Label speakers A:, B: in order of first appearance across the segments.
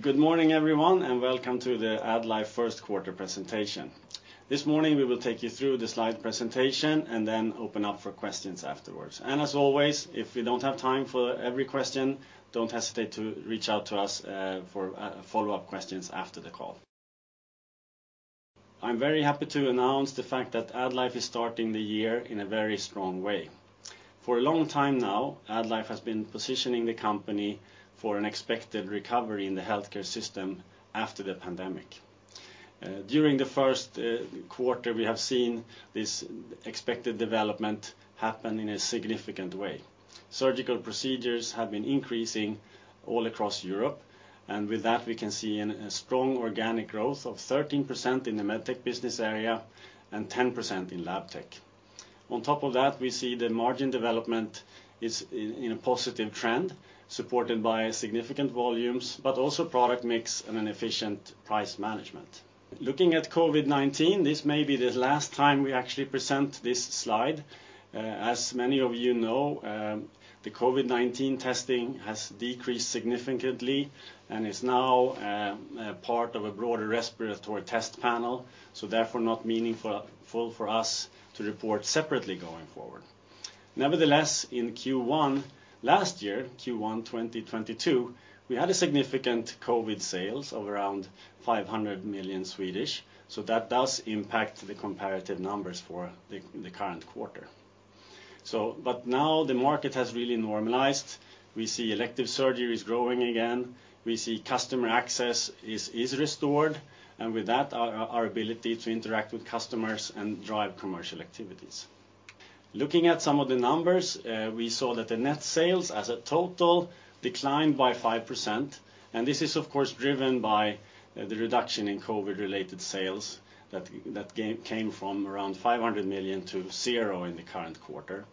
A: Good morning, everyone, and welcome to the AddLife Q1 presentation. This morning, we will take you through the slide presentation and then open up for questions afterwards. As always, if we don't have time for every question, don't hesitate to reach out to us for follow-up questions after the call. I'm very happy to announce the fact that AddLife is starting the year in a very strong way. For a long time now, AddLife has been positioning the company for an expected recovery in the healthcare system after the pandemic. During the Q1, we have seen this expected development happen in a significant way. Surgical procedures have been increasing all across Europe, and with that, we can see a strong organic growth of 13% in the Medtech business area and 10% in Labtech. On top of that, we see the margin development is in a positive trend, supported by significant volumes, but also product mix and an efficient price management. Looking at COVID-19, this may be the last time we actually present this slide. As many of you know, the COVID-19 testing has decreased significantly and is now a part of a broader respiratory test panel, so therefore not meaningful for us to report separately going forward. Nevertheless, in Q1 last year, Q1 2022, we had a significant COVID sales of around 500 million, so that does impact the comparative numbers for the current quarter. Now the market has really normalized. We see elective surgeries growing again. We see customer access is restored, and with that, our ability to interact with customers and drive commercial activities. Looking at some of the numbers, we saw that the net sales as a total declined by 5%. This is, of course, driven by the reduction in COVID-19-related sales that came from around SEK 500 million to zero in the current quarter.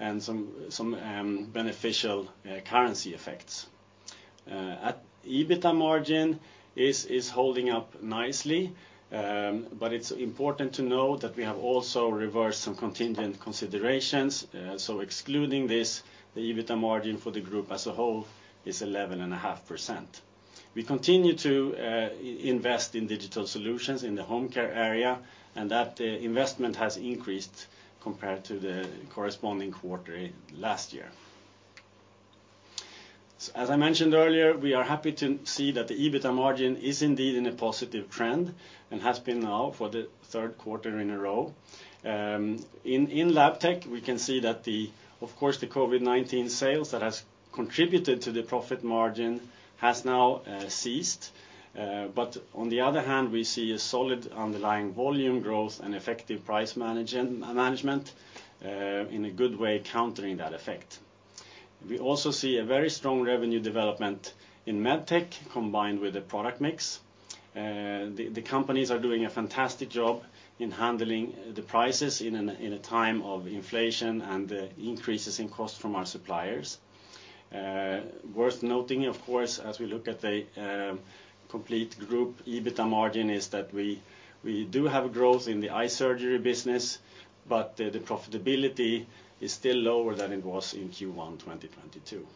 A: EBITDA margin is holding up nicely. It's important to know that we have also reversed some contingent considerations. Excluding this, the EBITDA margin for the group as a whole is 11.5%. We continue to invest in digital solutions in the home care area. That investment has increased compared to the corresponding quarter last year. We are happy to see that the EBITDA margin is indeed in a positive trend and has been now for the Q3 in a row. In Labtech, we can see that the, of course, the COVID-19 sales that has contributed to the profit margin has now ceased. We see a solid underlying volume growth and effective price management in a good way countering that effect. We also see a very strong revenue development in Medtech combined with the product mix. The companies are doing a fantastic job in handling the prices in a, in a time of inflation and increases in cost from our suppliers. Worth noting, of course, as we look at the complete group EBITDA margin is that we do have growth in the eye surgery business, but the profitability is still lower than it was in Q1 2022.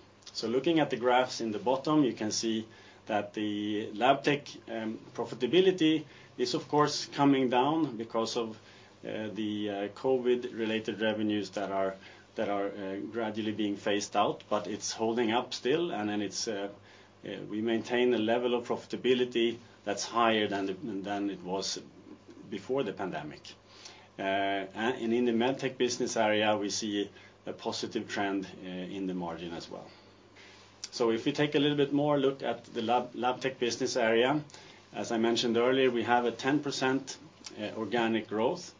A: Looking at the graphs in the bottom, you can see that the Labtech profitability is, of course, coming down because of the COVID-related revenues that are gradually being phased out, but it's holding up still. We maintain a level of profitability that's higher than it was before the pandemic. In the Medtech business area, we see a positive trend in the margin as well. If we take a little bit more look at the Labtech business area, as I mentioned earlier, we have a 10% organic growth.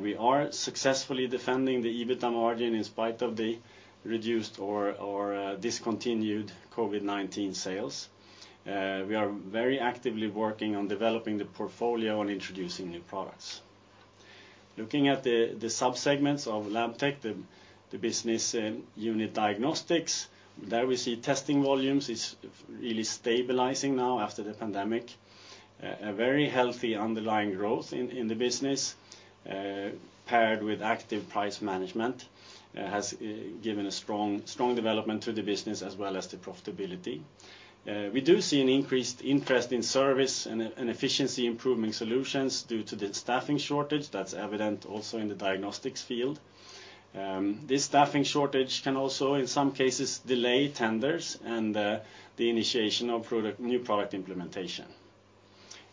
A: We are successfully defending the EBITDA margin in spite of the reduced or discontinued COVID-19 sales. We are very actively working on developing the portfolio and introducing new products. Looking at the subsegments of Labtech, the business unit diagnostics, there we see testing volumes is really stabilizing now after the pandemic. A very healthy underlying growth in the business paired with active price management has given a strong development to the business as well as the profitability. We do see an increased interest in service and efficiency improvement solutions due to the staffing shortage that's evident also in the diagnostics field. This staffing shortage can also, in some cases, delay tenders and the initiation of new product implementation.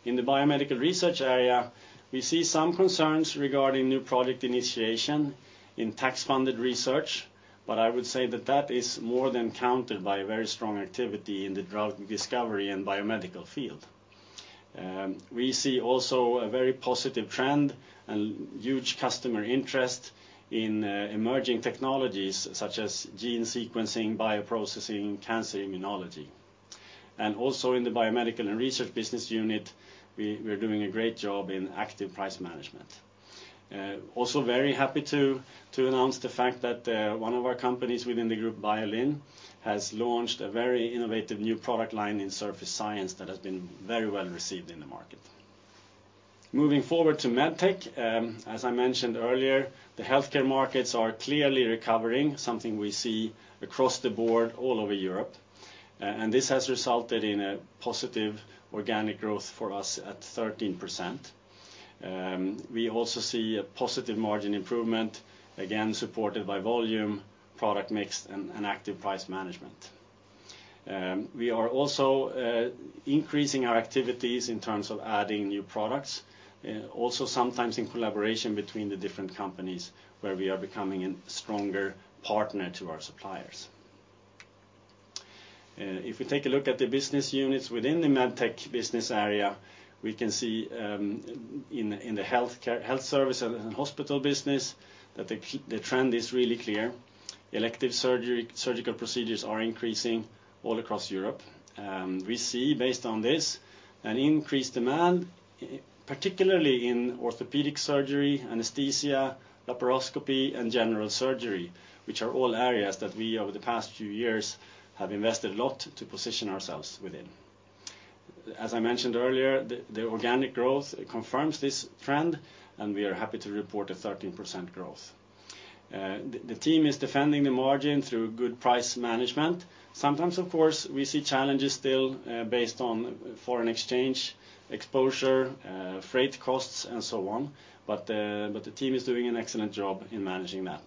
A: In the biomedical research area, we see some concerns regarding new product initiation in tax-funded research, but I would say that that is more than countered by a very strong activity in the drug discovery and biomedical field. We see also a very positive trend and huge customer interest in emerging technologies such as gene sequencing, bioprocessing, cancer immunology. Also in the biomedical and research business unit, we're doing a great job in active price management. Also very happy to announce the fact that one of our companies within the group, Biolin, has launched a very innovative new product line in surface science that has been very well received in the market. Moving forward to Medtech, as I mentioned earlier, the healthcare markets are clearly recovering, something we see across the board all over Europe. This has resulted in a positive organic growth for us at 13%. We also see a positive margin improvement, again, supported by volume, product mix, and active price management. We are also increasing our activities in terms of adding new products, also sometimes in collaboration between the different companies where we are becoming a stronger partner to our suppliers. If we take a look at the business units within the Medtech business area, we can see in the healthcare, health service and hospital business that the trend is really clear. Elective surgery, surgical procedures are increasing all across Europe. We see, based on this, an increased demand, particularly in orthopedic surgery, anesthesia, laparoscopy, and general surgery, which are all areas that we, over the past few years, have invested a lot to position ourselves within. As I mentioned earlier, the organic growth confirms this trend. We are happy to report a 13% growth. The team is defending the margin through good price management. Sometimes, of course, we see challenges still, based on foreign exchange exposure, freight costs, and so on. The team is doing an excellent job in managing that.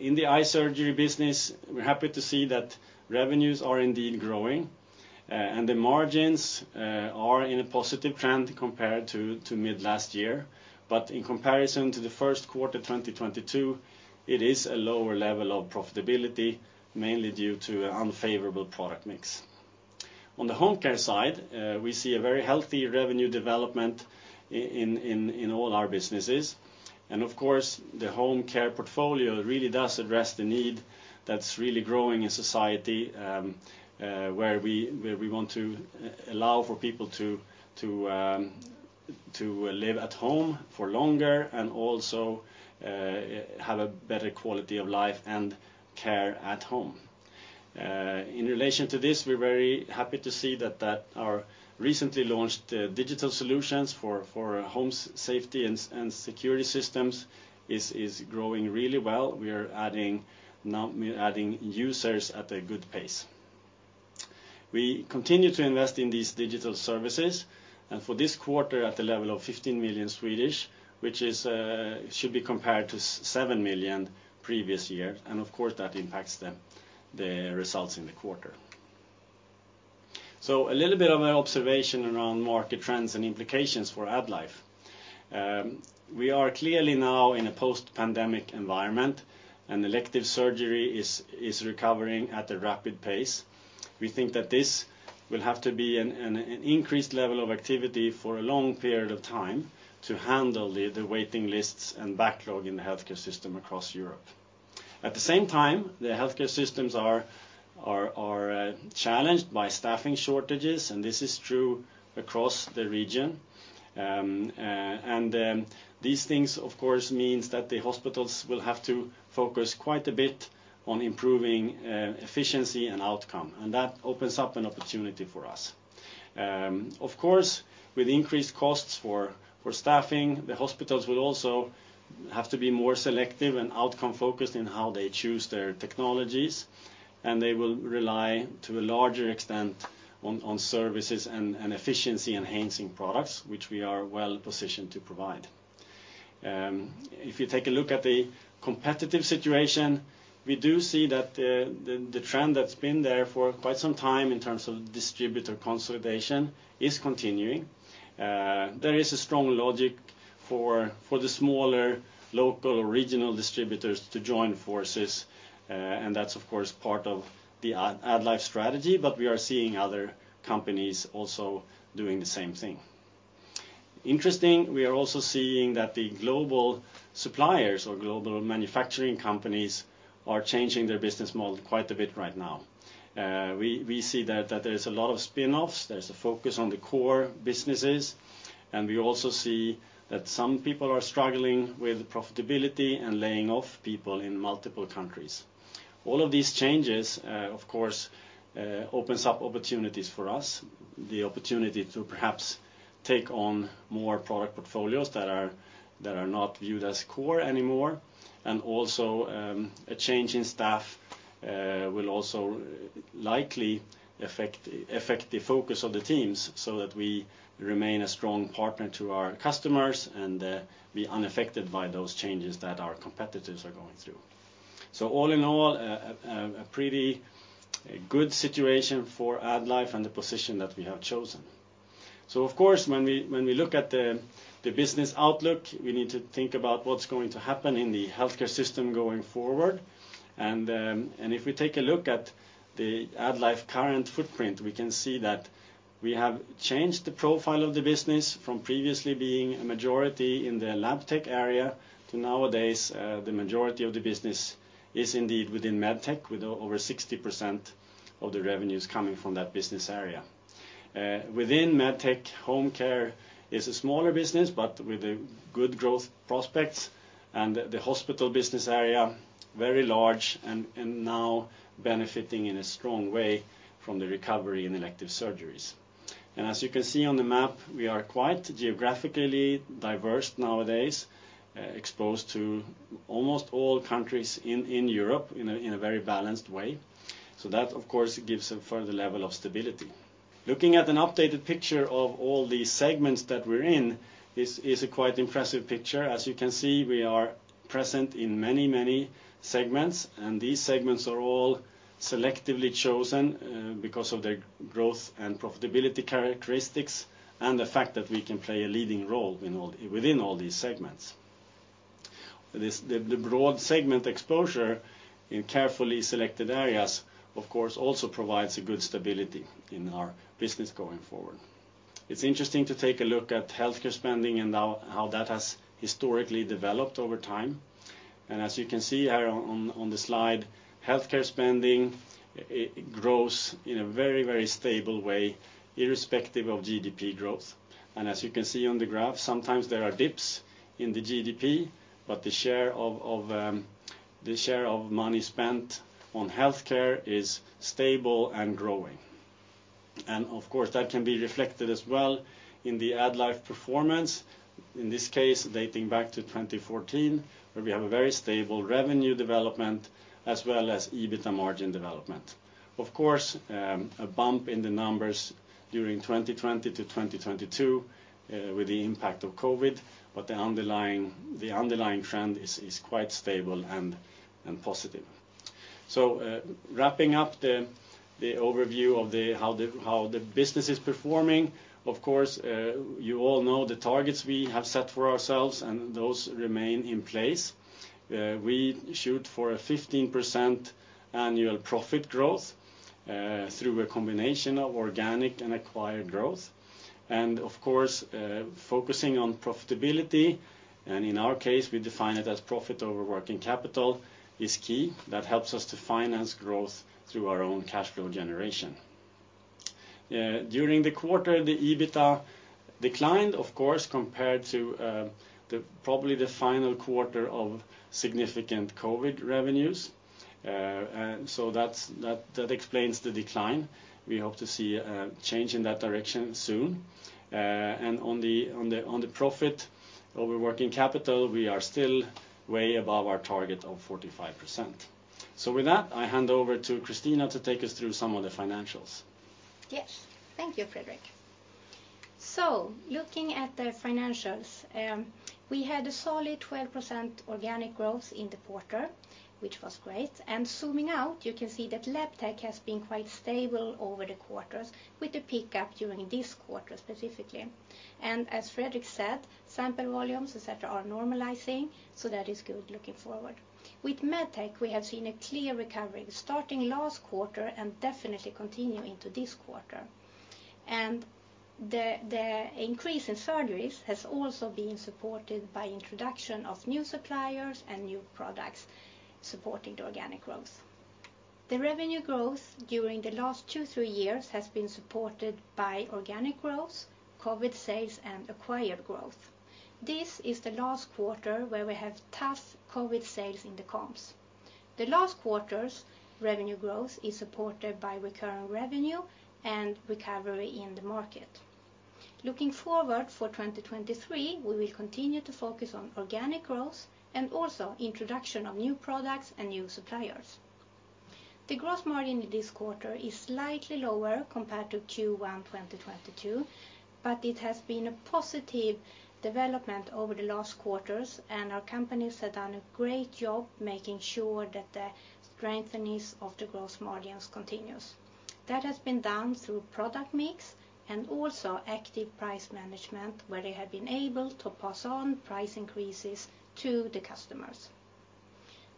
A: In the eye surgery business, we're happy to see that revenues are indeed growing. The margins are in a positive trend compared to mid-last year. In comparison to the Q1 2022, it is a lower level of profitability, mainly due to unfavorable product mix. On the home care side, we see a very healthy revenue development in all our businesses. Of course, the home care portfolio really does address the need that's really growing in society, where we, where we want to allow for people to live at home for longer and also have a better quality of life and care at home. In relation to this, we're very happy to see that our recently launched digital solutions for home safety and security systems is growing really well. We are adding users at a good pace. We continue to invest in these digital services, for this quarter at the level of 15 million, which is should be compared to 7 million previous year. Of course, that impacts the results in the quarter. A little bit of an observation around market trends and implications for AddLife. We are clearly now in a post-pandemic environment, and elective surgery is recovering at a rapid pace. We think that this will have to be an increased level of activity for a long period of time to handle the waiting lists and backlog in the healthcare system across Europe. At the same time, the healthcare systems are challenged by staffing shortages, and this is true across the region. These things, of course, means that the hospitals will have to focus quite a bit on improving efficiency and outcome, and that opens up an opportunity for us. Of course, with increased costs for staffing, the hospitals will also have to be more selective and outcome-focused in how they choose their technologies. They will rely to a larger extent on services and efficiency-enhancing products, which we are well positioned to provide. If you take a look at the competitive situation, we do see that the trend that's been there for quite some time in terms of distributor consolidation is continuing. There is a strong logic for the smaller local regional distributors to join forces, and that's of course, part of the AddLife strategy, but we are seeing other companies also doing the same thing. Interesting, we are also seeing that the global suppliers or global manufacturing companies are changing their business model quite a bit right now. We see that there is a lot of spinoffs, there's a focus on the core businesses, and we also see that some people are struggling with profitability and laying off people in multiple countries. All of these changes, of course, opens up opportunities for us, the opportunity to perhaps take on more product portfolios that are not viewed as core anymore. A change in staff will also likely affect the focus of the teams so that we remain a strong partner to our customers and be unaffected by those changes that our competitors are going through. All in all, a pretty good situation for AddLife and the position that we have chosen. Of course, when we look at the business outlook, we need to think about what's going to happen in the healthcare system going forward. If we take a look at the AddLife current footprint, we can see that we have changed the profile of the business from previously being a majority in the Labtech area to nowadays, the majority of the business is indeed within Medtech, with over 60% of the revenues coming from that business area. Within Medtech, home care is a smaller business, but with a good growth prospects, and the hospital business area, very large and now benefiting in a strong way from the recovery in elective surgeries. As you can see on the map, we are quite geographically diverse nowadays, exposed to almost all countries in Europe in a very balanced way. That, of course, gives a further level of stability. Looking at an updated picture of all the segments that we're in is a quite impressive picture. As you can see, we are present in many, many segments, and these segments are all selectively chosen because of their growth and profitability characteristics and the fact that we can play a leading role within all these segments. The broad segment exposure in carefully selected areas, of course, also provides a good stability in our business going forward. It's interesting to take a look at healthcare spending and how that has historically developed over time. As you can see here on the slide, healthcare spending, it grows in a very, very stable way, irrespective of GDP growth. As you can see on the graph, sometimes there are dips in the GDP, but the share of the share of money spent on healthcare is stable and growing. Of course, that can be reflected as well in the AddLife performance, in this case, dating back to 2014, where we have a very stable revenue development as well as EBITDA margin development. Of course, a bump in the numbers during 2020-2022 with the impact of COVID-19, but the underlying trend is quite stable and positive. Wrapping up the overview of how the business is performing, of course, you all know the targets we have set for ourselves, those remain in place. We shoot for a 15% annual profit growth through a combination of organic and acquired growth. Of course, focusing on profitability, and in our case, we define it as profit over working capital, is key. That helps us to finance growth through our own cash flow generation. During the quarter, the EBITDA declined, of course, compared to probably the final quarter of significant COVID revenues. That explains the decline. We hope to see a change in that direction soon. On the profit over working capital, we are still way above our target of 45%. With that, I hand over to Christina to take us through some of the financials.
B: Yes. Thank you, Fredrik. Looking at the financials, we had a solid 12% organic growth in the quarter, which was great. Zooming out, you can see that Labtech has been quite stable over the quarters with a pickup during this quarter specifically. As Fredrik said, sample volumes, et cetera, are normalizing, so that is good looking forward. With Medtech, we have seen a clear recovery starting last quarter and definitely continuing to this quarter. The increase in surgeries has also been supported by introduction of new suppliers and new products supporting the organic growth. The revenue growth during the last two to three years has been supported by organic growth, COVID sales, and acquired growth. This is the last quarter where we have tough COVID sales in the comps. The last quarter's revenue growth is supported by recurring revenue and recovery in the market. Looking forward for 2023, we will continue to focus on organic growth and also introduction of new products and new suppliers. The growth margin this quarter is slightly lower compared to Q1 2022. It has been a positive development over the last quarters. Our companies have done a great job making sure that the strength of the growth margins continues. That has been done through product mix and also active price management, where they have been able to pass on price increases to the customers.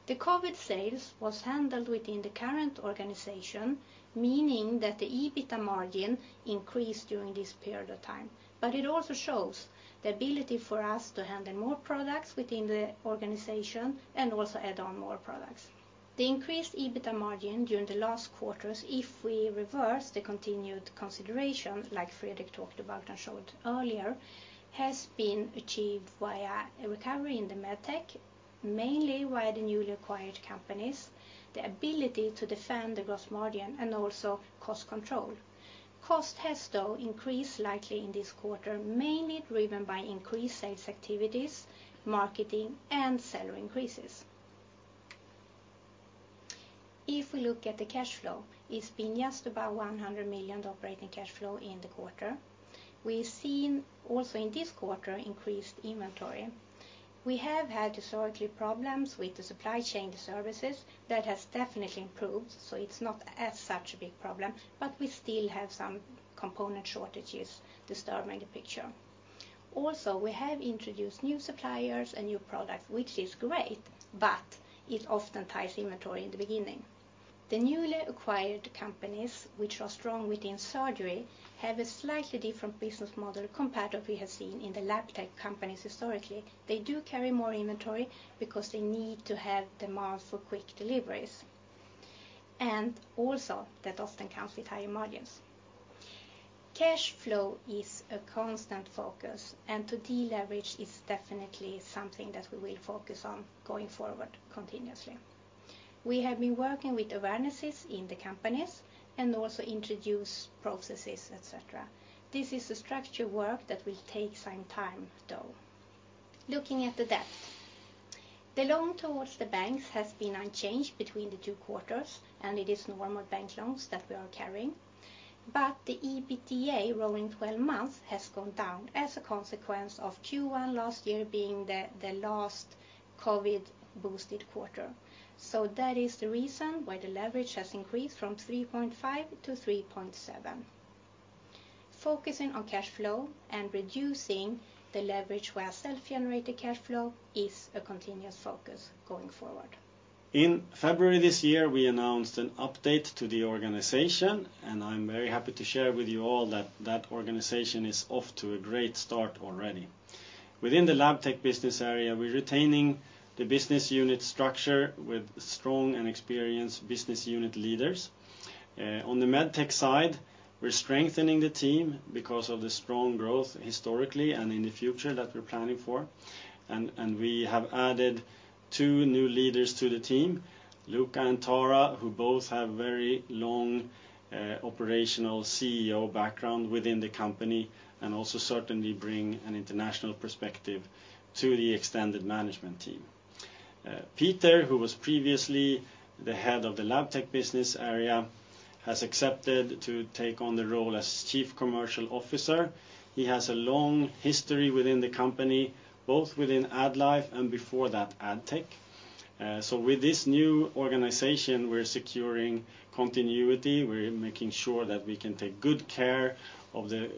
B: The COVID sales was handled within the current organization, meaning that the EBITDA margin increased during this period of time. It also shows the ability for us to handle more products within the organization and also add on more products. The increased EBITDA margin during the last quarters, if we reverse the continued consideration, like Fredrik talked about and showed earlier, has been achieved via a recovery in the Medtech, mainly via the newly acquired companies, the ability to defend the growth margin, and also cost control. Cost has, though, increased slightly in this quarter, mainly driven by increased sales activities, marketing, and salary increases. If we look at the cash flow, it's been just about 100 million operating cash flow in the quarter. We've seen also in this quarter increased inventory. We have had historically problems with the supply chain services. That has definitely improved, so it's not as such a big problem, but we still have some component shortages disturbing the picture. Also, we have introduced new suppliers and new products, which is great, but it often ties inventory in the beginning. The newly acquired companies which are strong within surgery have a slightly different business model compared to what we have seen in the Labtech companies historically. They do carry more inventory because they need to have demand for quick deliveries. Also that often comes with higher margins. Cash flow is a constant focus. To deleverage is definitely something that we will focus on going forward continuously. We have been working with awarenesses in the companies and also introduce processes, et cetera. This is a structure work that will take some time, though. Looking at the debt. The loan towards the banks has been unchanged between the two quarters. It is normal bank loans that we are carrying. The EBITDA rolling twelve months has gone down as a consequence of Q1 last year being the last COVID-boosted quarter. That is the reason why the leverage has increased from 3.5 to 3.7. Focusing on cash flow and reducing the leverage via self-generated cash flow is a continuous focus going forward.
A: In February this year, we announced an update to the organization, and I'm very happy to share with you all that that organization is off to a great start already. Within the LabTech business area, we're retaining the business unit structure with strong and experienced business unit leaders. On the MedTech side, we're strengthening the team because of the strong growth historically and in the future that we're planning for, and we have added two new leaders to the team, Luca and Tara, who both have very long operational CEO background within the company and also certainly bring an international perspective to the extended management team. Peter, who was previously the head of the LabTech business area, has accepted to take on the role as Chief Commercial Officer. He has a long history within the company, both within AddLife and before that Addtech. With this new organization, we're securing continuity, we're making sure that we can take good care of the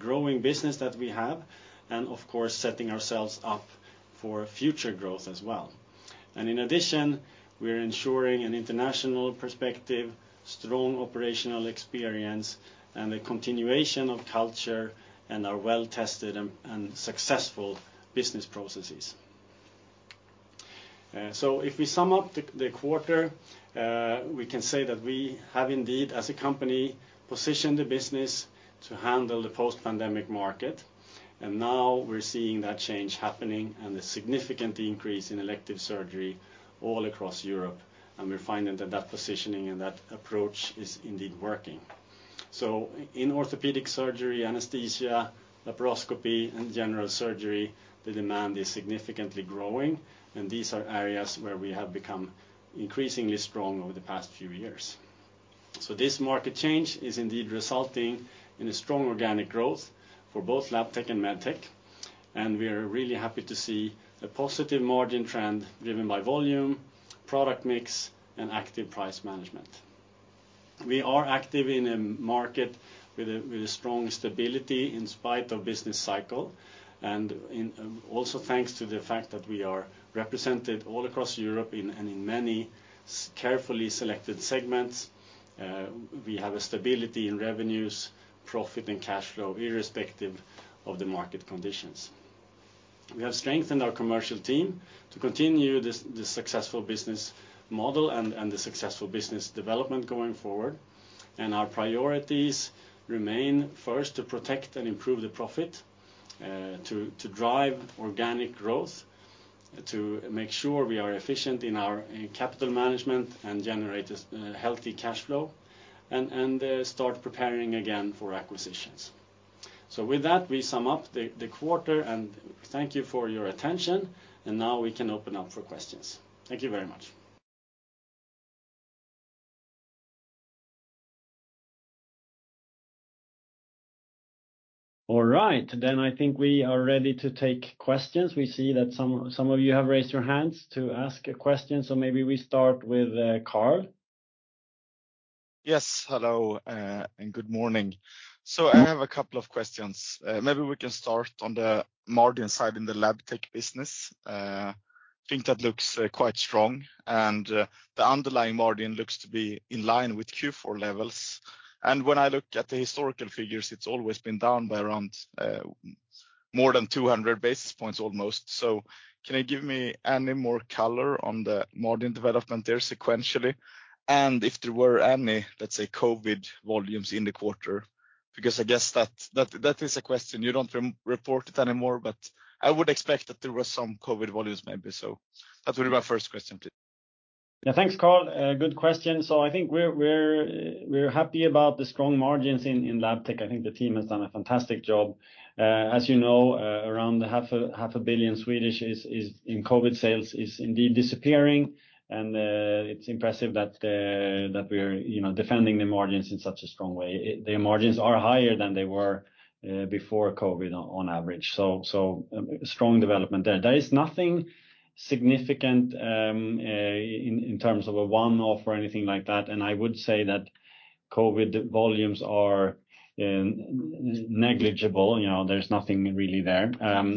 A: growing business that we have, and of course, setting ourselves up for future growth as well. In addition, we're ensuring an international perspective, strong operational experience, and a continuation of culture and our well-tested and successful business processes. If we sum up the quarter, we can say that we have indeed as a company positioned the business to handle the post-pandemic market. Now we're seeing that change happening and the significant increase in elective surgery all across Europe. We're finding that that positioning and that approach is indeed working. In orthopedic surgery, anesthesia, laparoscopy, and general surgery, the demand is significantly growing, and these are areas where we have become increasingly strong over the past few years. This market change is indeed resulting in a strong organic growth for both Labtech and Medtech, we are really happy to see a positive margin trend driven by volume, product mix, and active price management. We are active in a market with a, with a strong stability in spite of business cycle. In, also thanks to the fact that we are represented all across Europe in, and in many carefully selected segments, we have a stability in revenues, profit, and cash flow, irrespective of the market conditions. We have strengthened our commercial team to continue this, the successful business model and the successful business development going forward. Our priorities remain, first, to protect and improve the profit, to drive organic growth, to make sure we are efficient in our capital management and generate a healthy cash flow and start preparing again for acquisitions. With that, we sum up the quarter, thank you for your attention, now we can open up for questions. Thank you very much. All right. I think we are ready to take questions. We see that some of you have raised your hands to ask a question. Maybe we start with Carl.
C: Yes. Hello, and good morning. I have a couple of questions. Maybe we can start on the margin side in the Labtech business. Think that looks quite strong, and the underlying margin looks to be in line with Q4 levels. When I look at the historical figures, it's always been down by around more than 200 basis points almost. Can you give me any more color on the margin development there sequentially? If there were any, let's say, COVID volumes in the quarter, because I guess that is a question. You don't re-report it anymore, but I would expect that there were some COVID volumes maybe. That would be my first question to you.
A: Thanks, Carl. Good question. I think we're happy about the strong margins in Labtech. I think the team has done a fantastic job. As you know, around the half a billion Swedish in COVID sales is indeed disappearing, it's impressive that we're, you know, defending the margins in such a strong way. The margins are higher than they were before COVID on average. Strong development there. There is nothing significant in terms of a one-off or anything like that. I would say that COVID volumes are negligible. You know, there's nothing really there. How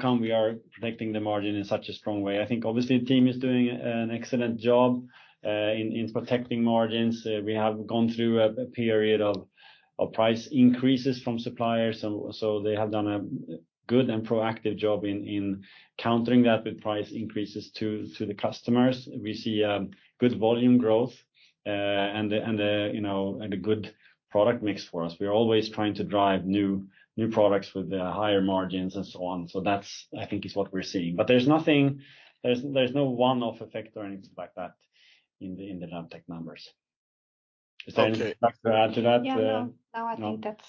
A: come we are protecting the margin in such a strong way? I think obviously the team is doing an excellent job in protecting margins. We have gone through a period of price increases from suppliers, they have done a good and proactive job in countering that with price increases to the customers. We see good volume growth, and the, you know, and the good product mix for us. We are always trying to drive new products with the higher margins and so on. That's, I think, is what we're seeing. There's nothing. There's no one-off effect or anything like that in the Medtech numbers.
C: Okay.
A: Is there anything you'd like to add to that?
B: Yeah. No.
A: No?
B: No, I think that's.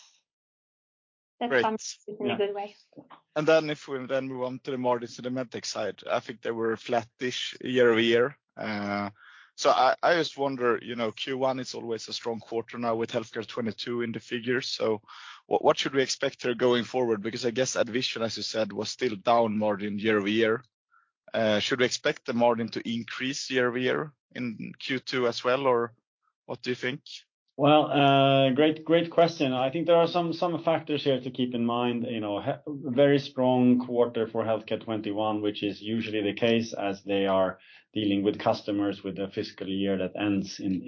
C: Great. Yeah.
B: That sums it in a good way.
C: If we then move on to the margins in the Medtech side, I think they were flat-ish year-over-year. I just wonder, you know, Q1 is always a strong quarter now with Healthcare 22 in the figures. What, what should we expect here going forward? I guess AddVision, as you said, was still down margin year-over-year. Should we expect the margin to increase year-over-year in Q2 as well, or what do you think?
A: Well, great question. I think there are some factors here to keep in mind. You know, very strong quarter for Healthcare 21, which is usually the case as they are dealing with customers with a fiscal year that ends in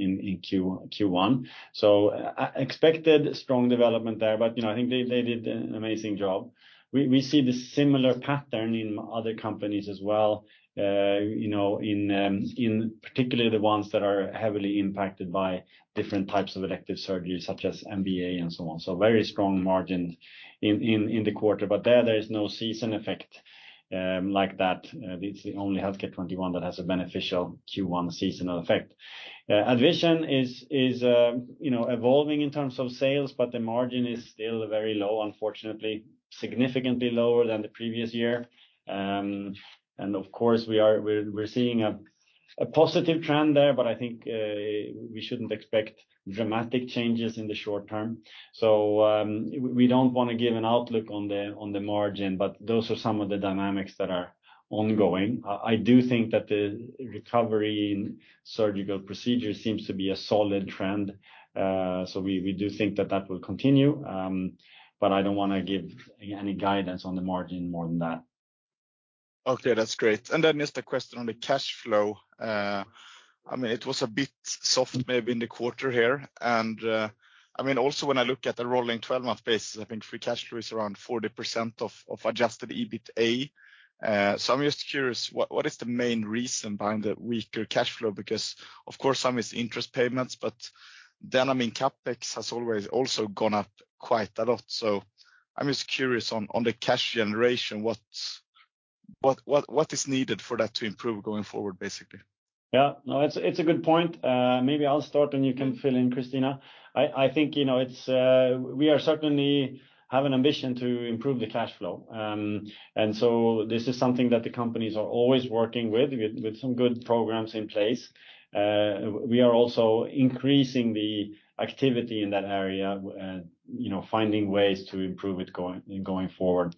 A: Q1. Expected strong development there. You know, I think they did an amazing job. We see the similar pattern in other companies as well. You know, in particularly the ones that are heavily impacted by different types of elective surgeries, such as MBA and so on. Very strong margins in the quarter. There is no season effect like that. It's only Healthcare 21 that has a beneficial Q1 seasonal effect. AddVision is, you know, evolving in terms of sales, but the margin is still very low, unfortunately, significantly lower than the previous year. Of course, we're seeing a positive trend there, but I think we shouldn't expect dramatic changes in the short term. We don't want to give an outlook on the margin, but those are some of the dynamics that are ongoing. I do think that the recovery in surgical procedure seems to be a solid trend. We do think that that will continue. I don't want to give any guidance on the margin more than that.
C: Okay, that's great. Just a question on the cash flow. I mean, it was a bit soft maybe in the quarter here. I mean, also when I look at the rolling 12 month basis, I think free cash flow is around 40% of adjusted EBITA. I'm just curious, what is needed for that to improve going forward, basically? Of course, some is interest payments, I mean, CapEx has always also gone up quite a lot. I'm just curious on the cash generation, what is needed for that to improve going forward, basically?
A: Yeah. No, it's a good point. Maybe I'll start, and you can fill in, Christina. I think, you know, it's. We are certainly have an ambition to improve the cash flow. This is something that the companies are always working with some good programs in place. We are also increasing the activity in that area, you know, finding ways to improve it going forward.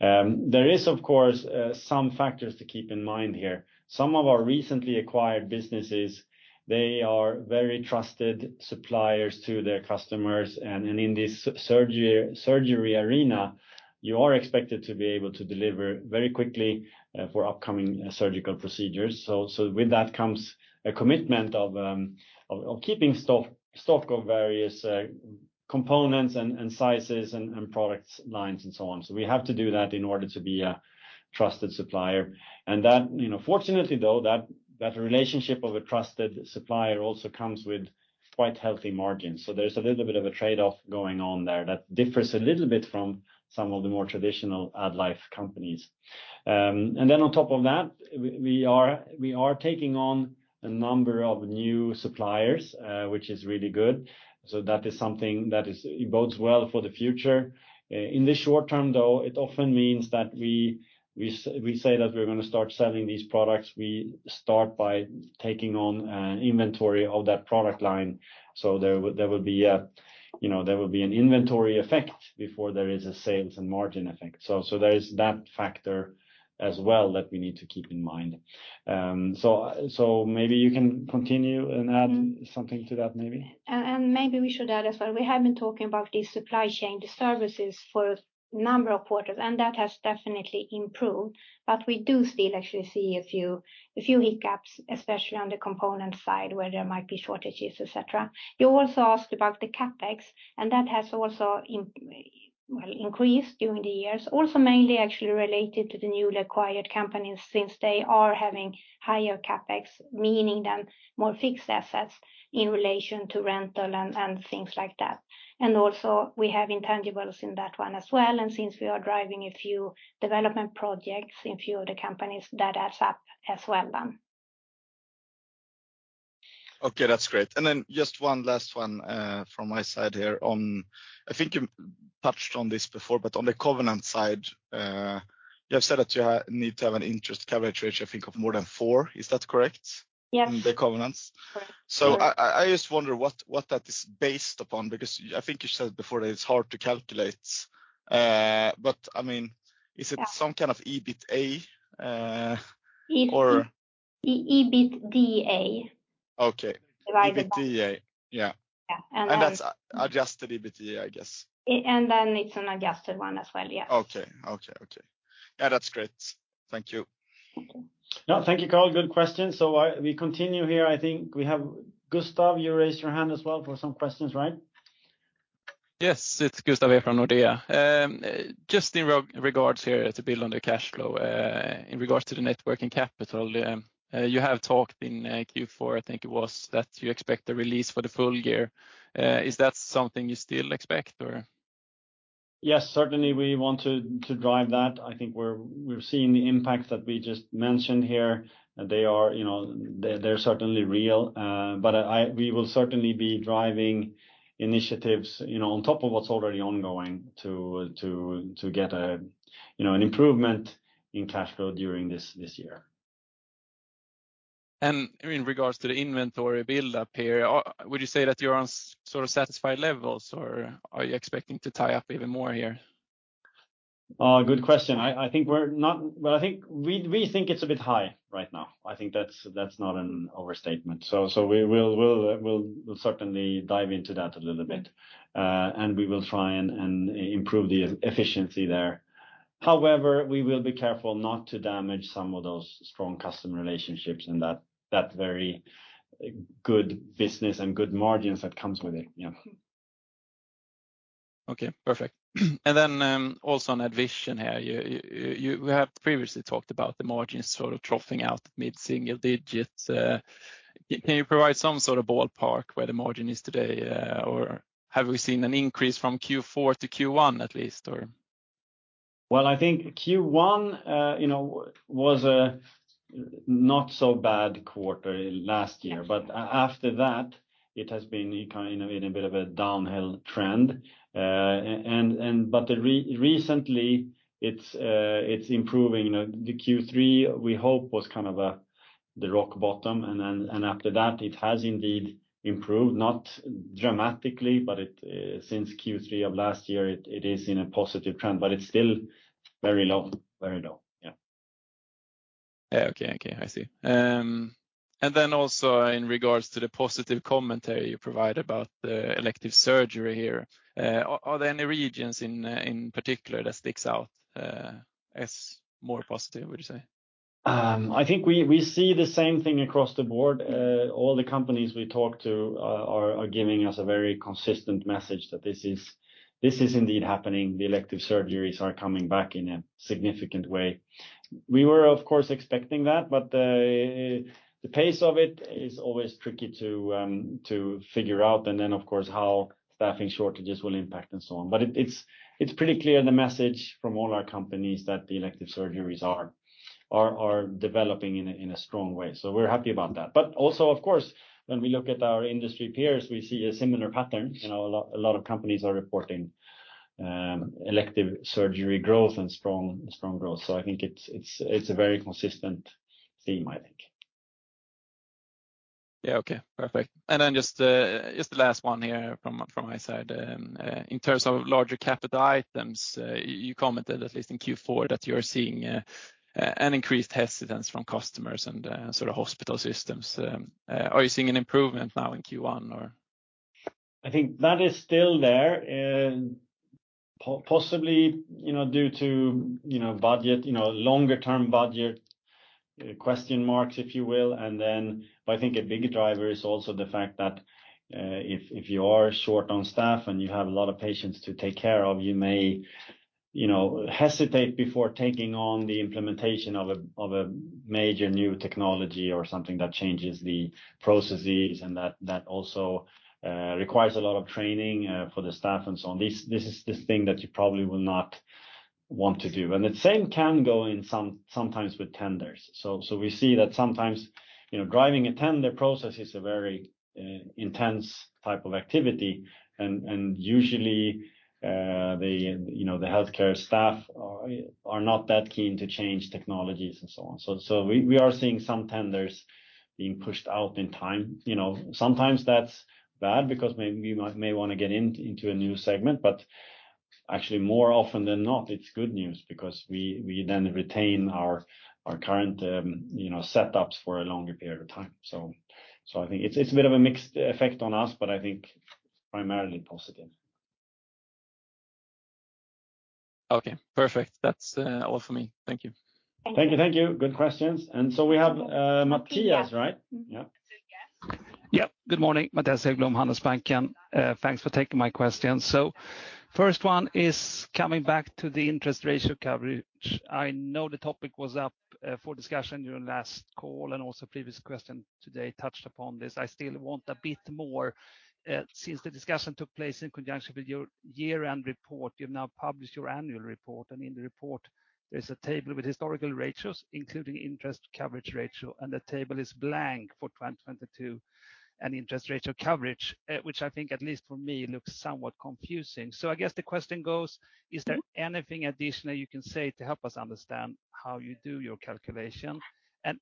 A: There is, of course, some factors to keep in mind here. Some of our recently acquired businesses, they are very trusted suppliers to their customers. In this surgery arena, you are expected to be able to deliver very quickly for upcoming surgical procedures. With that comes a commitment of keeping stock of various components and sizes and products lines and so on. We have to do that in order to be a trusted supplier. That. You know, fortunately, though, that relationship of a trusted supplier also comes with quite healthy margins. There's a little bit of a trade-off going on there that differs a little bit from some of the more traditional AddLife companies. On top of that, we are taking on a number of new suppliers, which is really good. That is something that bodes well for the future. In the short term, though, it often means that we say that we're going to start selling these products, we start by taking on an inventory of that product line. There would be a, you know, there would be an inventory effect before there is a sales and margin effect. There is that factor as well that we need to keep in mind. Maybe you can continue and add something to that maybe.
B: Maybe we should add as well, we have been talking about these supply chain disturbances for a number of quarters, and that has definitely improved. We do still actually see a few hiccups, especially on the component side, where there might be shortages, et cetera. You also asked about the CapEx, and that has also increased during the years. Also mainly actually related to the newly acquired companies since they are having higher CapEx, meaning then more fixed assets in relation to rental and things like that. Also we have intangibles in that one as well. Since we are driving a few development projects in few of the companies, that adds up as well then.
C: Okay, that's great. Just one last one from my side here on the covenant side. I think you touched on this before. You have said that you need to have an interest coverage, which I think of more than four. Is that correct?
B: Yes.
C: The covenants.
B: Correct.
C: I just wonder what that is based upon, because I think you said before that it's hard to calculate. but I mean.
B: Yeah
C: Is it some kind of EBITA?
B: E-EBITDA.
C: Okay. EBITDA. Yeah. That's adjusted EBITDA, I guess.
D: It's an adjusted one as well. Yeah.
C: Okay. Okay. Okay. Yeah, that's great. Thank you.
A: No, thank you, Carl. Good question. We continue here. I think we have Gustav, you raised your hand as well for some questions, right?
E: Yes. It's Gustav here from Nordea. In regards here to build on the cash flow, in regards to the networking capital, you have talked in Q4, I think it was, that you expect a release for the full year. Is that something you still expect or?
A: Certainly we want to drive that. I think we're seeing the impact that we just mentioned here. They are, you know, they're certainly real. We will certainly be driving initiatives, you know, on top of what's already ongoing to get a, you know, an improvement in cash flow during this year.
E: In regards to the inventory build up here, would you say that you're on sort of satisfied levels or are you expecting to tie up even more here?
A: good question. I think we're not. Well, I think we think it's a bit high right now. I think that's not an overstatement. We'll certainly dive into that a little bit, and we will try and improve the efficiency there. However, we will be careful not to damage some of those strong customer relationships and that very good business and good margins that comes with it. Yeah.
E: Okay, perfect. Also on AddVision here, we have previously talked about the margins sort of troughing out mid-single digits. Can you provide some sort of ballpark where the margin is today, or have we seen an increase from Q4 to Q1 at least?
A: Well, I think Q1, you know, was a not so bad quarter last year, but after that, it has been kind of in a bit of a downhill trend. Recently it's improving. The Q3, we hope was kind of the rock bottom. After that, it has indeed improved. Not dramatically, but it since Q3 of last year, it is in a positive trend, but it's still very low. Very low. Yeah.
E: Yeah. Okay. Okay. I see. Also in regards to the positive commentary you provide about the elective surgery here, are there any regions in particular that sticks out as more positive, would you say?
A: I think we see the same thing across the board. All the companies we talk to, are giving us a very consistent message that this is indeed happening. The elective surgeries are coming back in a significant way. We were, of course, expecting that, but the pace of it is always tricky to figure out. Then, of course, how staffing shortages will impact and so on. It's, it's pretty clear the message from all our companies that the elective surgeries are developing in a strong way. We're happy about that. Also, of course, when we look at our industry peers, we see a similar pattern. You know, a lot of companies are reporting, elective surgery growth and strong growth. I think it's a very consistent theme, I think.
E: Then just the last one here from my side. In terms of larger capital items, you commented, at least in Q4, that you're seeing an increased hesitance from customers and sort of hospital systems. Are you seeing an improvement now in Q1 or?
A: I think that is still there. Possibly, you know, due to, you know, budget, you know, longer term budget question marks, if you will. Then I think a big driver is also the fact that if you are short on staff and you have a lot of patients to take care of, you may, you know, hesitate before taking on the implementation of a major new technology or something that changes the processes and that also requires a lot of training for the staff and so on. This is the thing that you probably will not want to do. The same can go in sometimes with tenders. We see that sometimes, you know, driving a tender process is a very intense type of activity. Usually, the, you know, the healthcare staff are not that keen to change technologies and so on. We are seeing some tenders being pushed out in time. You know, sometimes that's bad because we might want to get into a new segment, but actually more often than not, it's good news because we then retain our current, you know, setups for a longer period of time. I think it's a bit of a mixed effect on us, but I think primarily positive.
E: Okay, perfect. That's all for me. Thank you.
A: Thank you. Thank you. Good questions. We have, Mattias, right?
D: Yes.
C: Yeah.
D: Yeah. Good morning. Mattias Häggblom, Handelsbanken. Thanks for taking my questions. First one is coming back to the interest ratio coverage. I know the topic was up for discussion during last call and also previous question today touched upon this. I still want a bit more since the discussion took place in conjunction with your year-end report. You've now published your annual report, and in the report there's a table with historical ratios, including interest coverage ratio, and the table is blank for 2022 and interest ratio coverage, which I think at least for me looks somewhat confusing. I guess the question goes, is there anything additionally you can say to help us understand how you do your calculation?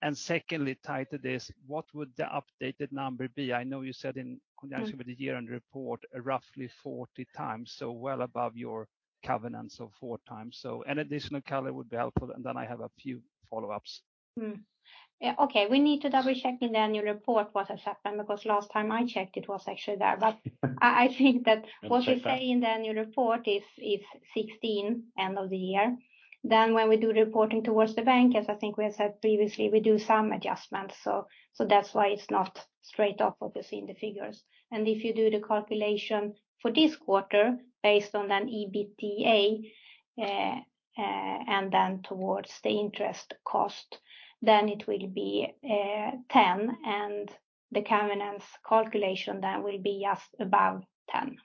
D: And secondly, tied to this, what would the updated number be? I know you said in conjunction with the year-end report, roughly 40x, so well above your covenants of 4x. An additional color would be helpful. I have a few follow-ups.
B: Hmm. Yeah. Okay. We need to double-check in the annual report what has happened, because last time I checked it was actually there. I think that what we say in the annual report is 16 end of the year. When we do reporting towards the bank, as I think we have said previously, we do some adjustments. That's why it's not straight off, obviously, in the figures. If you do the calculation for this quarter based on an EBITDA and then towards the interest cost, then it will be 10 and the covenants calculation then will be just above 10.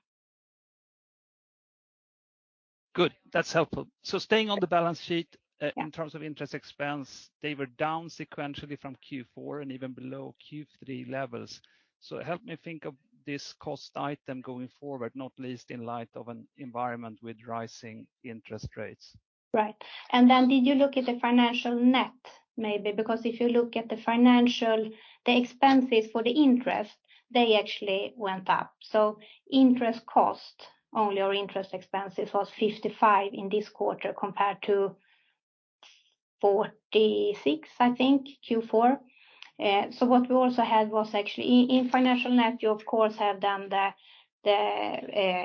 D: Good. That's helpful. Staying on the balance sheet.
B: Yeah
D: In terms of interest expense, they were down sequentially from Q4 and even below Q3 levels. Help me think of this cost item going forward, not least in light of an environment with rising interest rates.
B: Right. Did you look at the financial net maybe? If you look at the financial, the expenses for the interest, they actually went up. Interest cost only or interest expenses was 55 in this quarter compared to 46, I think, Q4. What we also had was actually in financial net, you of course have done the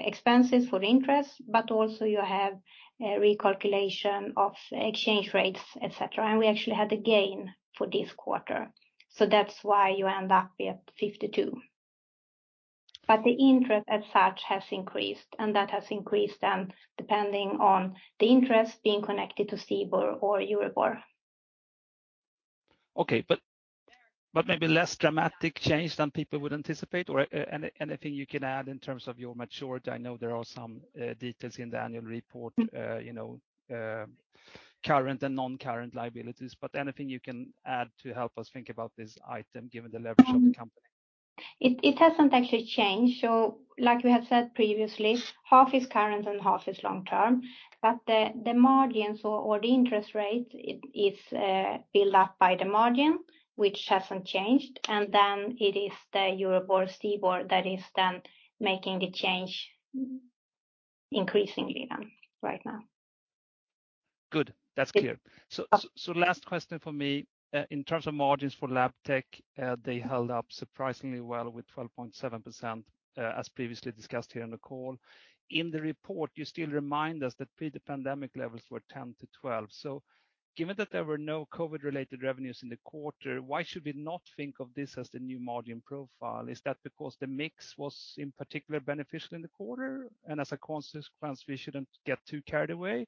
B: expenses for interest, but also you have a recalculation of exchange rates, et cetera. We actually had a gain for this quarter. That's why you end up with 52. The interest as such has increased, and that has increased then depending on the interest being connected to CIBOR or EURIBOR.
D: Okay, maybe less dramatic change than people would anticipate? Anything you can add in terms of your maturity? I know there are some details in the annual report. you know, current and non-current liabilities, but anything you can add to help us think about this item, given the leverage of the company?
B: It hasn't actually changed. Like we have said previously, half is current and half is long-term, but the margins or the interest rate is built up by the margin, which hasn't changed. It is the EURIBOR, CIBOR that is then making the change increasingly then right now.
D: Good. That's clear.
B: Yeah.
D: Last question for me. In terms of margins for Labtech, they held up surprisingly well with 12.7%, as previously discussed here on the call. In the report, you still remind us that pre-pandemic levels were 10%-12%. Given that there were no COVID-related revenues in the quarter, why should we not think of this as the new margin profile? Is that because the mix was in particular beneficial in the quarter, and as a consequence, we shouldn't get too carried away?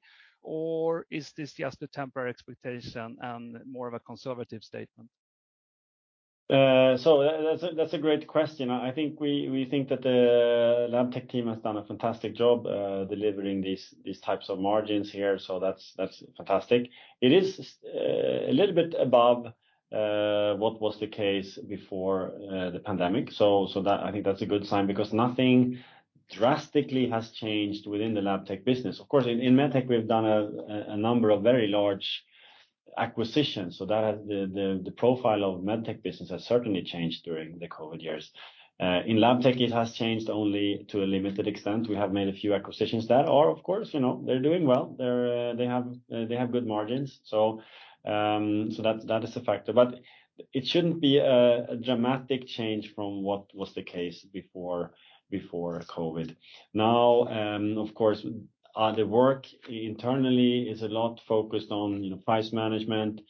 D: Is this just a temporary expectation and more of a conservative statement?
A: That's a great question. I think we think that the Labtech team has done a fantastic job delivering these types of margins here. That's fantastic. It is a little bit above what was the case before the pandemic. I think that's a good sign because nothing drastically has changed within the Labtech business. Of course, in Medtech, we've done a number of very large acquisitions. The profile of Medtech business has certainly changed during the COVID years. In Labtech, it has changed only to a limited extent. We have made a few acquisitions that are, of course, you know, they're doing well. They have good margins. That is a factor. It shouldn't be a dramatic change from what was the case before COVID. Of course, the work internally is a lot focused on, you know, price management,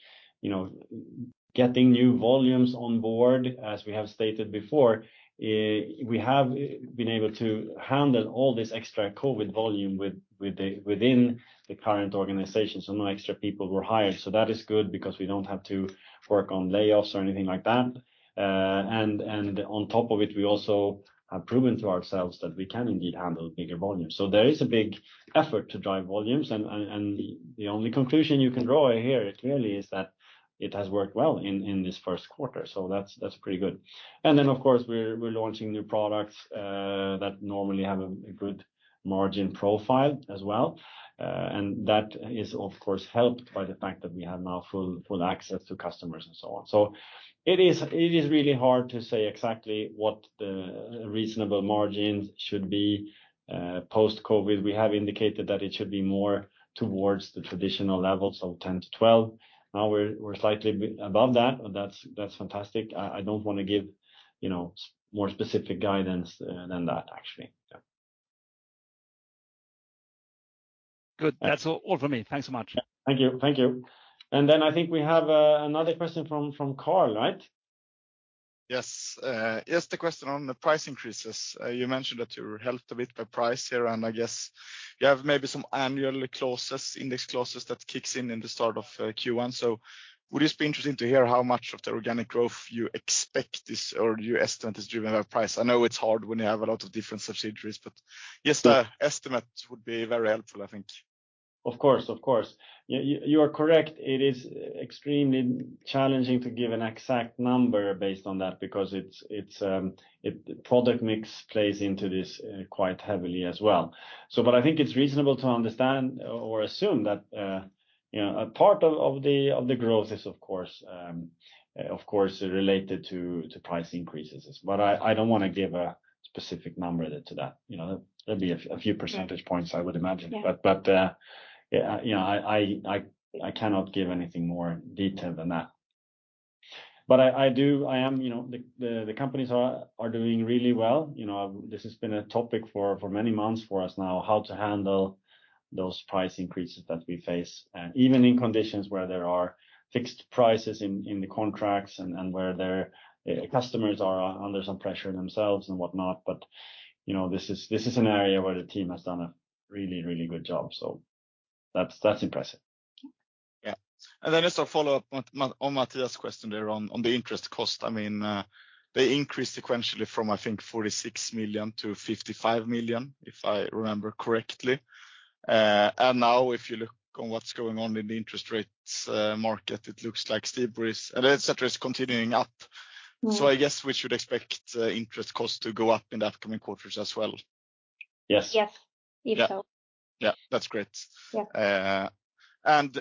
A: you know, getting new volumes on board. As we have stated before, we have been able to handle all this extra COVID volume with the within the current organization. No extra people were hired. That is good because we don't have to work on layoffs or anything like that. And on top of it, we also have proven to ourselves that we can indeed handle bigger volumes. There is a big effort to drive volumes. The only conclusion you can draw here clearly is that it has worked well in this Q1. That's pretty good. Of course, we're launching new products that normally have a good margin profile as well. That is, of course, helped by the fact that we have now full access to customers and so on. It is really hard to say exactly what the reasonable margins should be. Post-COVID, we have indicated that it should be more towards the traditional level, so 10%-12%. Now we're slightly above that, and that's fantastic. I don't want to give, you know, more specific guidance than that, actually. Yeah.
D: Good. That's all for me. Thanks so much.
A: Thank you. Thank you. Then I think we have another question from Carl, right?
C: Yes. Yes. The question on the price increases. You mentioned that you were helped a bit by price here, and I guess you have maybe some annual clauses, index clauses that kicks in in the start of Q1. Would it just be interesting to hear how much of the organic growth you expect this or you estimate is driven by price? I know it's hard when you have a lot of different subsidiaries, but just a estimate would be very helpful, I think.
A: Of course. You are correct. It is extremely challenging to give an exact number based on that because it's product mix plays into this quite heavily as well. I think it's reasonable to understand or assume that, you know, a part of the growth is of course, related to price increases. I don't want to give a specific number to that. You know, that'd be a few percentage points, I would imagine.
B: Yeah.
A: You know, I cannot give anything more detailed than that. I am, you know, the companies are doing really well. You know, this has been a topic for many months for us now, how to handle those price increases that we face, even in conditions where there are fixed prices in the contracts and where their customers are under some pressure themselves and whatnot. You know, this is an area where the team has done a really good job. That's impressive.
C: Yeah. Then just a follow-up on Mattias's question there on the interest cost. I mean, they increased sequentially from I think 46 million to 55 million, if I remember correctly. Now if you look on what's going on in the interest rates market, it looks like steep rise and et cetera is continuing up. I guess we should expect interest costs to go up in the upcoming quarters as well.
A: Yes.
B: Yes. If so.
C: Yeah. That's great.
B: Yeah.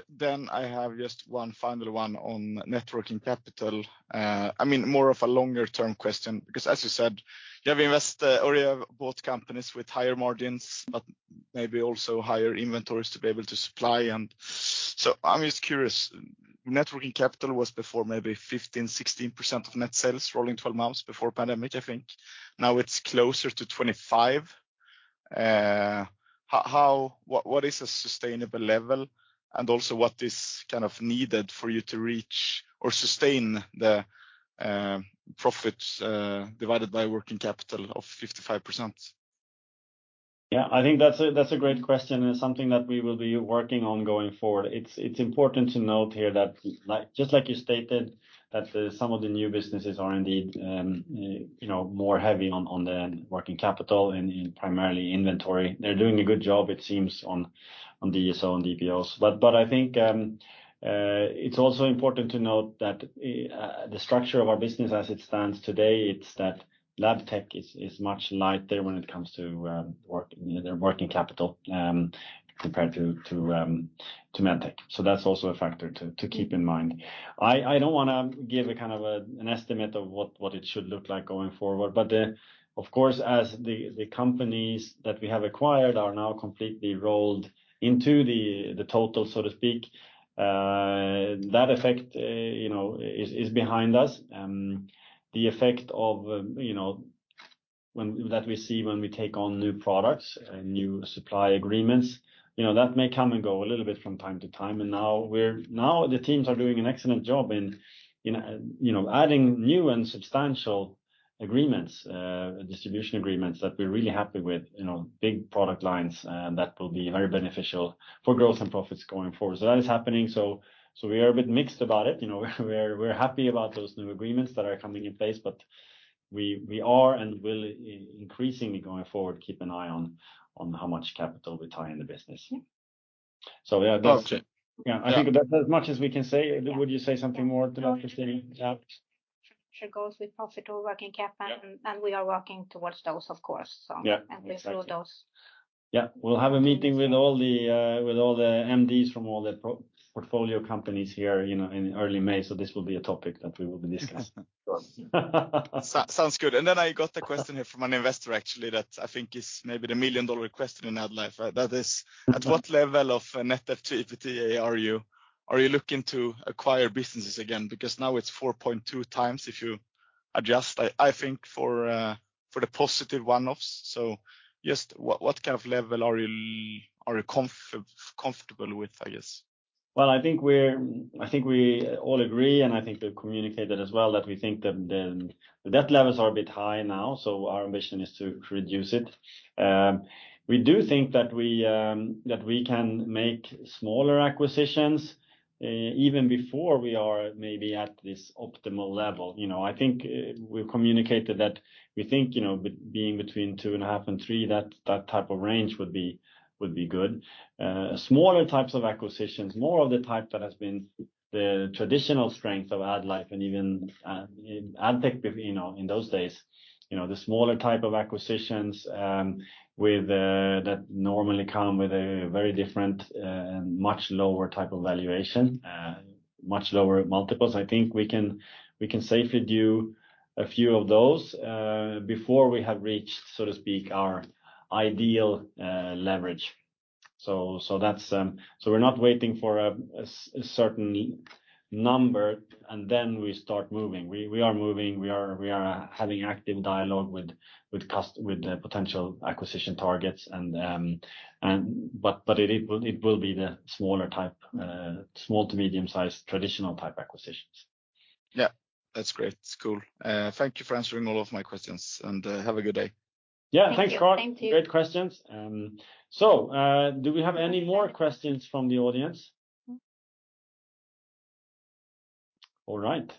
C: Then I have just one final one on networking capital, I mean, more of a longer-term question, because as you said, you have both companies with higher margins, but maybe also higher inventories to be able to supply. So I'm just curious, networking capital was before maybe 15%, 16% of net sales, rolling twelve months before pandemic, I think. Now it's closer to 25%. What, what is a sustainable level? Also what is kind of needed for you to reach or sustain the profits divided by working capital of 55%?
A: Yeah, I think that's a, that's a great question and something that we will be working on going forward. It's, it's important to note here that like, just like you stated, that some of the new businesses are indeed, you know, more heavy on the working capital and in primarily inventory. They're doing a good job, it seems, on DSO and DPOs. I think it's also important to note that the structure of our business as it stands today, it's that Labtech is much lighter when it comes to, work, you know, their working capital, compared to Medtech. That's also a factor to keep in mind. I don't want to give a kind of an estimate of what it should look like going forward. Of course, as the companies that we have acquired are now completely rolled into the total, so to speak, that effect, you know, is behind us. The effect of, you know, that we see when we take on new products and new supply agreements. You know, that may come and go a little bit from time to time. Now the teams are doing an excellent job in, you know, adding new and substantial agreements, distribution agreements that we're really happy with. You know, big product lines, that will be very beneficial for growth and profits going forward. That is happening. We are a bit mixed about it. You know, we're happy about those new agreements that are coming in place, but we are and will increasingly going forward keep an eye on how much capital we tie in the business. Yeah, I think that as much as we can say, would you say something more to that, Christina? Yeah.
B: Sure. Goals with positive working capital, and we are working towards those of course.
A: Yeah. Exactly.
B: We saw those.
A: Yeah. We'll have a meeting with all the, with all the MDs from all the pro-portfolio companies here, you know, in early May. This will be a topic that we will be discussing.
C: Sounds good. I got a question here from an investor actually that I think is maybe the million-dollar question in AddLife, right? That is, at what level of net activity are you? Are you looking to acquire businesses again? Because now it's 4.2x, if you adjust, I think, for the positive one-offs. Just what kind of level are you comfortable with, I guess?
A: I think we all agree, and I think we've communicated as well, that we think that the debt levels are a bit high now. Our ambition is to reduce it. We do think that we, that we can make smaller acquisitions, even before we are maybe at this optimal level. You know, I think we've communicated that we think, you know, being between 2.5 and 3, that type of range would be good. Smaller types of acquisitions, more of the type that has been the traditional strength of AddLife and even Addtech, you know, in those days. You know, the smaller type of acquisitions, that normally come with a very different, and much lower type of valuation, much lower multiples. I think we can safely do a few of those, before we have reached, so to speak, our ideal leverage. So that's. We're not waiting for a certain number and then we start moving. We are moving. We are having active dialogue with the potential acquisition targets. It will be the smaller type, small to medium-sized traditional type acquisitions.
C: Yeah. That's great. It's cool. Thank you for answering all of my questions and have a good day.
A: Yeah. Thanks, Carl.
B: Thank you.
A: Great questions. Do we have any more questions from the audience? All right.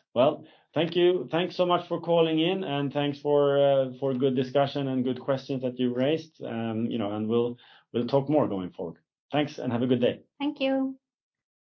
A: Thank you. Thanks so much for calling in, thanks for a good discussion and good questions that you raised. You know, we'll talk more going forward. Thanks, have a good day.
B: Thank you.